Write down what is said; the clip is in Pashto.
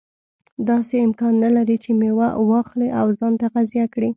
داسې امکان نه لري چې میوه واخلي او ځان تغذیه کړي.